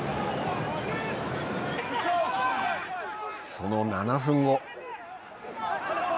その７分後。